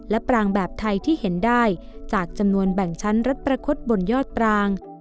และปรางแบบไทยที่เห็นได้จากจำนวนแบ่งชั้นรัฐประคดบนยอดปราง